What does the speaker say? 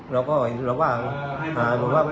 เราก็หาบอกว่า